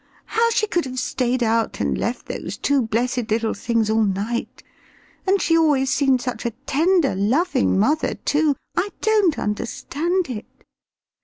How she could have stayed out, and left those two blessed little things all night and she always seemed such a tender, loving mother, too I don't understand it."